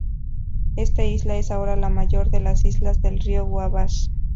Esta isla es ahora la mayor de las islas del río Wabash.